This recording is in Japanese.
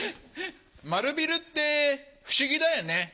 丸ビルって不思議だよね。